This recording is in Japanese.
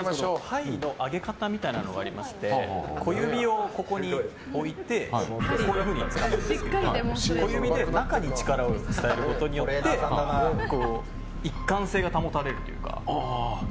牌の上げ方みたいなのがありまして小指を上げてこういうふうにつかんで小指で中に力を伝えることによって一貫性が保たれるというか。